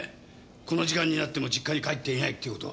この時間になっても実家に帰っていないってことは。